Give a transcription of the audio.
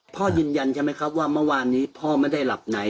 พ่อยืนยันใช่ไหมครับว่าเมื่อวานนี้พ่อไม่ได้หลับไหน